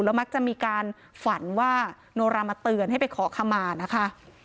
มักจะมีการฝันว่าโนรามาเตือนให้ไปขอขมานะคะ